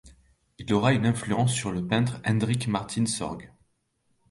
Il aura une influence sur le peintre Hendrick Martensz Sorgh.